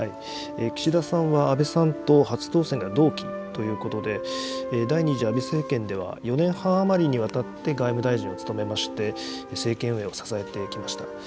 岸田さんは、安倍さんと初当選が同期ということで、第２次安倍政権では、４年半余りにわたって外務大臣を務めまして、政権運営を支えてきました。